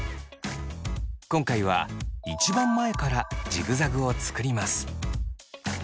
今回は一番前からジグザグを作ります。